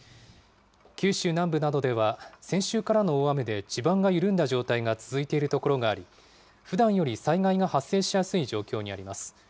九州南部などでは、先週からの大雨で地盤が緩んだ状態が続いている所があり、ふだんより災害が発生しやすい状況にあります。